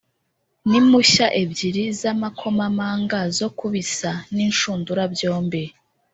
n’impushya ebyiri z’amakomamanga zo ku bisa n’inshundura byombi